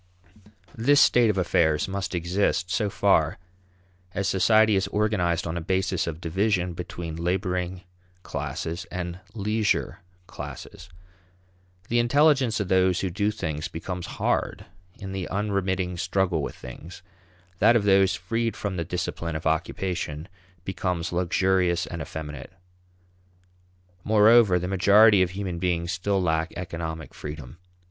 This state of affairs must exist so far as society is organized on a basis of division between laboring classes and leisure classes. The intelligence of those who do things becomes hard in the unremitting struggle with things; that of those freed from the discipline of occupation becomes luxurious and effeminate. Moreover, the majority of human beings still lack economic freedom.